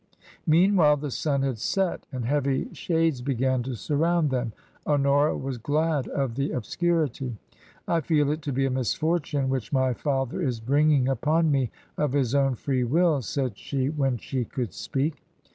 Meanwhile the sun had set and heavy shades began to surround them. Honora was glad of the obscurity. " I feel it to be a misfortune which my father is bring ing upon me of his own free will," said she when she could speak.